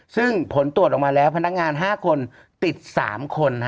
ซึ่งผลตรวจออกมาแล้วพนักงาน๕คนติด๓คน